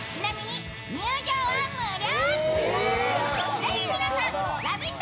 ぜひ皆さんラヴィット！